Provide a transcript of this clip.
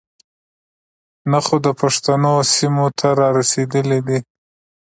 نۀ خو د پښتنو سيمې ته را رسېدلے دے.